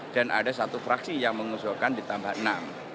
dan ada satu fraksi yang mengusulkan ditambah enam